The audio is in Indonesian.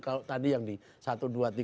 kalau tadi yang di satu dua tiga